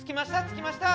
着きました。